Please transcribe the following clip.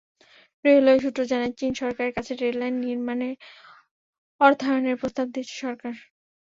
Railway সূত্র জানায়, চীন সরকারের কাছে রেললাইন নির্মাণে অর্থায়নের প্রস্তাব দিয়েছে সরকার।